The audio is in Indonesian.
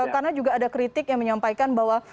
karena juga ada kritik yang menyampaikan bahwa